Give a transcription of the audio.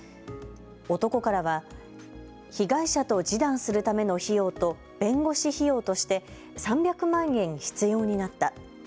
男からは被害者と示談するための費用と弁護士費用として３００万円必要になった。